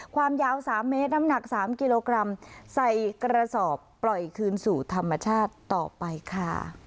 ความยาว๓เมตรน้ำหนัก๓กิโลกรัมใส่กระสอบปล่อยคืนสู่ธรรมชาติต่อไปค่ะ